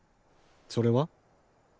それは？